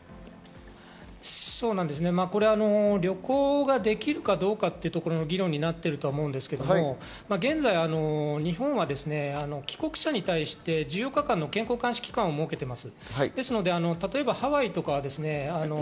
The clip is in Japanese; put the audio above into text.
これは旅行ができるかどうかっていうところの議論になってると思うんですけれど、現在、日本は帰国者に対して１４日間の健康監視期間を設けています。